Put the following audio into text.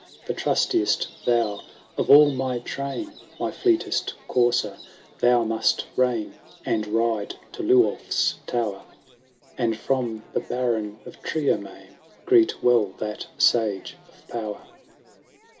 The trustiest thou of all my train. My fleetest courser thou must rein. And ride to Lyulph's tower, ' And from the Baron of Triermain Greet well that Sage of power.